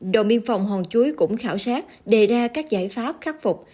đồn biên phòng hòn chuối cũng khảo sát đề ra các giải pháp khắc phục